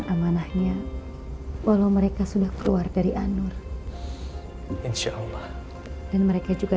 amanahnya walau mereka sudah keluar dari anur insyaallah dan mereka juga